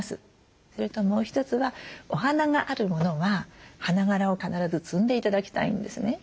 それともう一つはお花があるものは花がらを必ず摘んで頂きたいんですね。